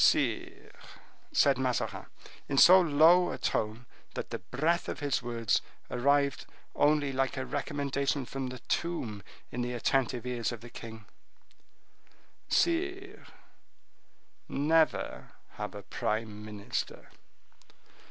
"Sire," said Mazarin, in so low a tone that the breath of his words arrived only like a recommendation from the tomb in the attentive ears of the king—"Sire, never have a prime minister."